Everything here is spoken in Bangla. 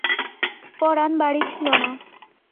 পরান বাড়ি ছিল না।